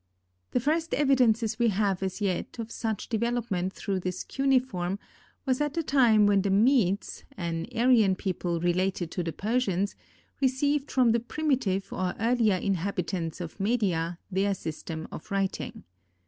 The first evidences we have as yet of such development through this cuneiform was at the time when the Medes, an Aryan people related to the Persians, received from the primitive or earlier inhabitants of Media their system of writing.